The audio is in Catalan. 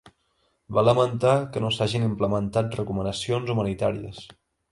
Va lamentar que no s'hagin implementat recomanacions humanitàries.